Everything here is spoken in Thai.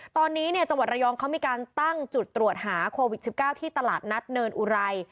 ตอนนี้จังหวัดระยองเขามีการตั้งจุดตรวจหาโควิด๑๙ที่ตลาดนัดเนินอุไร